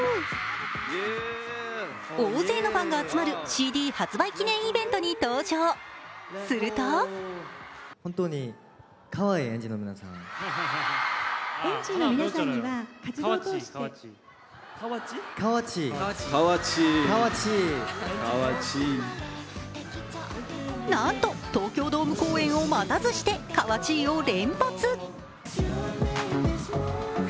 大勢のファンが集まるＣＤ発売記念イベントに登場、するとなんと東京ドーム公演を待たずしてかわちぃを連発。